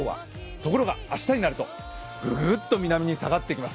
ところが明日になるとググッと南に下がってきます。